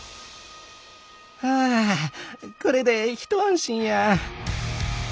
ハァこれでひと安心や。